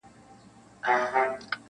په لوی لاس ځانته کږې کړي سمي لاري--!